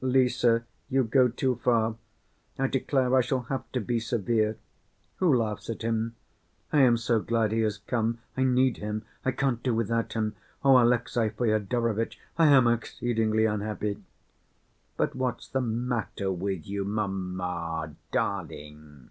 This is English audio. "Lise, you go too far. I declare I shall have to be severe. Who laughs at him? I am so glad he has come, I need him, I can't do without him. Oh, Alexey Fyodorovitch, I am exceedingly unhappy!" "But what's the matter with you, mamma, darling?"